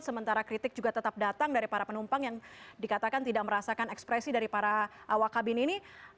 sementara kritik juga tetap datang dari para penumpang yang dikatakan tidak merasakan ekspresi dari para awak kabin ini